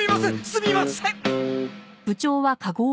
すみません！